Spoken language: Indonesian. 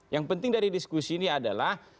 yang penting dari diskusi ini adalah